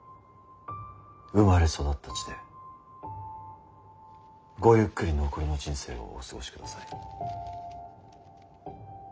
生まれ育った地でごゆっくり残りの人生をお過ごしください。